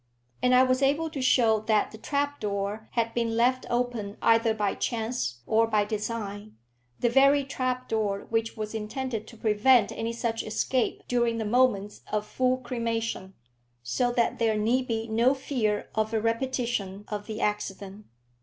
And I was able to show that the trap door had been left open either by chance or by design, the very trap door which was intended to prevent any such escape during the moments of full cremation, so that there need be no fear of a repetition of the accident.